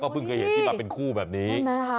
เพิ่งเคยเห็นที่มาเป็นคู่แบบนี้